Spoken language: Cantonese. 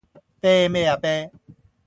啤咩呀啤